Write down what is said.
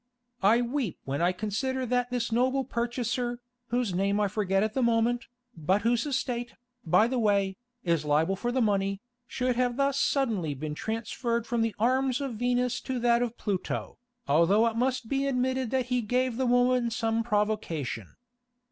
I weep when I consider that this noble purchaser, whose name I forget at the moment, but whose estate, by the way, is liable for the money, should have thus suddenly been transferred from the arms of Venus to that of Pluto, although it must be admitted that he gave the woman some provocation.